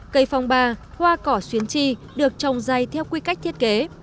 cây phòng bà hoa cỏ xuyến chi được trồng dày theo quy cách thiết kế